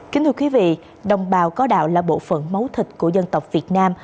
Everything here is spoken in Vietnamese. kính thưa quý vị đồng bào có đạo là bộ phận máu thịt của dân tộc việt nam